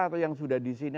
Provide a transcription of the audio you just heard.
atau yang sudah disini